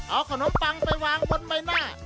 เอาขนมปังไปวางบนใบหน้า